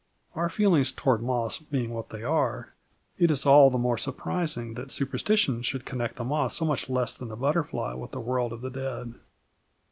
Our feelings towards moths being what they are, it is all the more surprising that superstition should connect the moth so much less than the butterfly with the world of the dead.